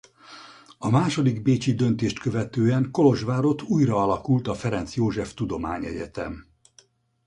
A második bécsi döntést követően Kolozsvárott újraalakult a Ferenc József Tudományegyetem.